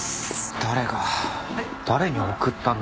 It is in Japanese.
誰が誰に贈ったんだ？